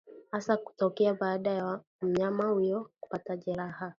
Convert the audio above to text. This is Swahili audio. hasa hutokea baada ya mnyama huyo kupata jeraha